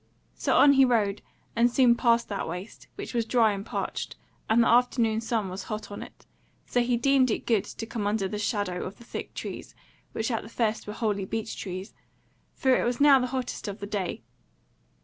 So on he rode, and soon passed that waste, which was dry and parched, and the afternoon sun was hot on it; so he deemed it good to come under the shadow of the thick trees (which at the first were wholly beech trees), for it was now the hottest of the day.